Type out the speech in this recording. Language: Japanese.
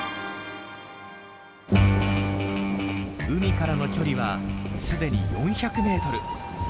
海からの距離はすでに４００ｍ。